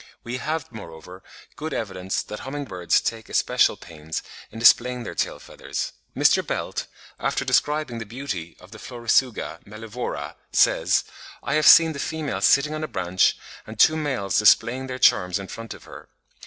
We have, moreover, good evidence that humming birds take especial pains in displaying their tail feathers; Mr. Belt (54. 'The Naturalist in Nicaragua,' 1874, p. 112.), after describing the beauty of the Florisuga mellivora, says, "I have seen the female sitting on a branch, and two males displaying their charms in front of her.